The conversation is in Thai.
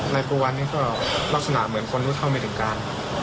ทุกวันนี้ก็ลักษณะเหมือนคนรู้เท่าไม่ถึงการ